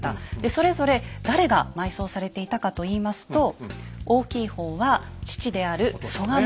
それぞれ誰が埋葬されていたかといいますと大きい方は父である蘇我蝦夷ですね。